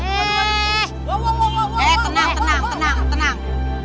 eh tenang tenang tenang